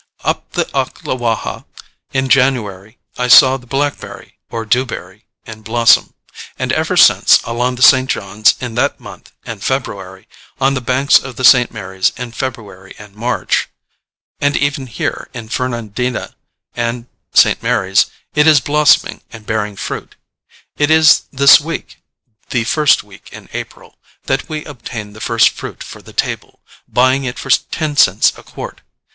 Up the Ocklawaha in January I saw the blackberry or dewberry in blossom; and ever since, along the St. John's in that month and February, on the banks of the St. Mary's in February and March, and even here, in Fernandina and St. Mary's, it is blossoming and bearing fruit. It is this week the first week in April that we obtained the first fruit for the table, buying it for ten cents a quart.